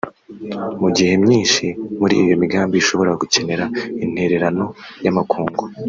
Mu gihe myinshi muri iyo migamnbi ishobora gukenera intererano y’amakungu